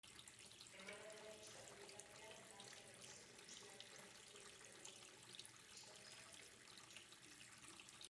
Emanaldia prestatu bitartean, dantzarekin zerikusia duten profil ezberdinetako protagonistak ezagutuko dituzte.